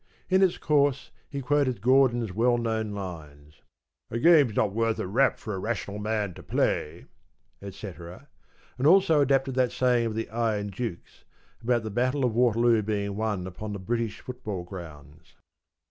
In its course he quoted Gordon's well known lines—‘A game's not worth a rap for a rational man to play,’ etc.; and also adapted that saying of the ‘Iron Duke's’ about the battle of Waterloo being won upon the British football grounds.